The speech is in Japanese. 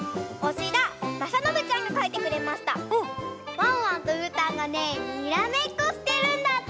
ワンワンとうーたんがねにらめっこしてるんだって！